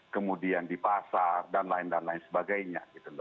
kemudian di pasar dan lain lain sebagainya